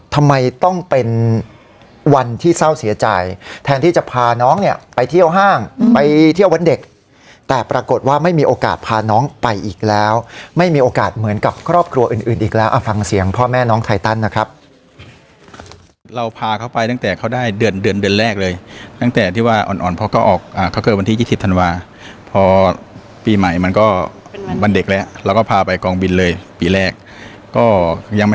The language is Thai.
ต้องเป็นวันที่เศร้าเสียใจแทนที่จะพาน้องเนี้ยไปเที่ยวห้างไปเที่ยววันเด็กแต่ปรากฏว่าไม่มีโอกาสพาน้องไปอีกแล้วไม่มีโอกาสเหมือนกับครอบครัวอื่นอื่นอีกแล้วเอาฟังเสียงพ่อแม่น้องไทยตันนะครับเราพาเขาไปตั้งแต่เขาได้เดือนเดือนเดือนแรกเลยตั้งแต่ที่ว่าอ่อนอ่อนพอก็ออกอ่าเขาเกิดวันที่ยี่สิบธันวา